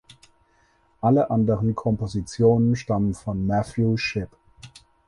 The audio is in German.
Alle anderen Kompositionen stammen von Matthew Shipp.